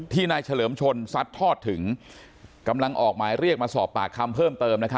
นายเฉลิมชนซัดทอดถึงกำลังออกหมายเรียกมาสอบปากคำเพิ่มเติม